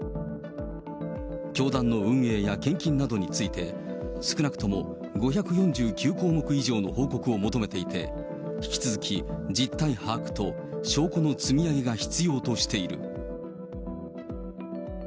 教団の運営や献金などについて、少なくとも５４９項目以上の報告を求めていて、引き続き実態把握と証拠の積み上げが必要としている。